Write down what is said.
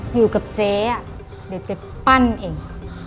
อยู่กับเจ๊เดี๋ยวเจ๊ปั้นเอง